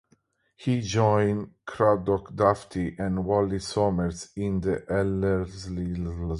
He joined Craddock Dufty and Wally Somers in the Ellerslie side.